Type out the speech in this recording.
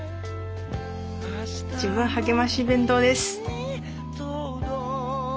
「自分はげまし弁当」です。